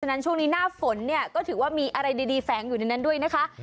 นั้นช่วงนี้หน้าฝนเนี่ยก็ถือว่ามีอะไรดีแฝงอยู่ในนั้นด้วยนะคะ